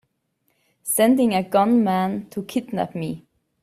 Sending a gunman to kidnap me!